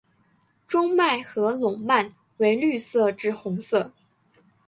中脉和笼蔓为绿色至红色。